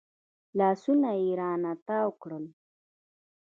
لاسونه يې رانه تاو کړل.